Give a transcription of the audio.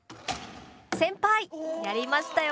先輩やりましたよ！